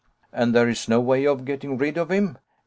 "And there is no way of getting rid of him?"